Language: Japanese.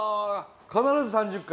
必ず３０回。